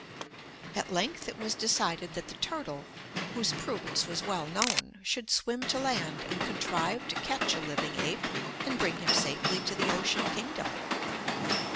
At length it was decided that the turtle, whose prudence was well known, should swim to land and contrive to catch a living ape and bring him safely to the ocean kingdom.